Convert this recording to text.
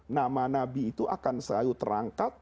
nama nabi itu akan selalu terangkat